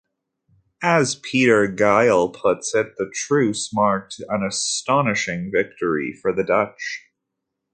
As Pieter Geyl puts it, the truce marked an astonishing victory for the Dutch.